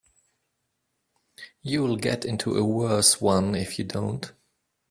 You'll get into a worse one if you don't.